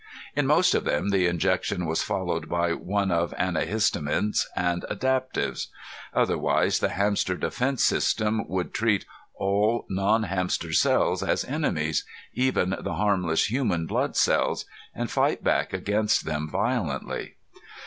In most of them the injection was followed by one of antihistaminics and adaptives. Otherwise the hamster defense system would treat all non hamster cells as enemies, even the harmless human blood cells, and fight back against them violently.